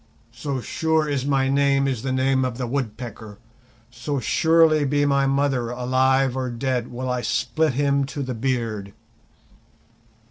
So sure as my name is the name of the Woodpecker, so surely, be my mother alive or dead, will I split him to the beard.